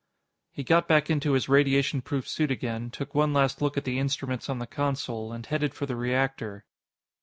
He got back into his radiation proof suit again, took one last look at the instruments on the console, and headed for the reactor.